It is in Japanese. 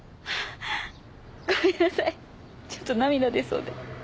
ごめんなさいちょっと涙出そうで。